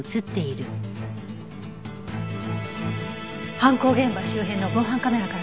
犯行現場周辺の防犯カメラから捜せる？